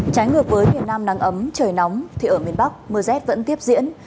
trái ngược với miền nam nắng ấm trời nóng thì ở miền bắc mưa rét vẫn tiếp diễn